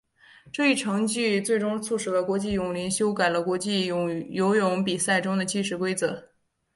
这一成绩最终促使国际泳联修改了国际游泳比赛中的计时规则。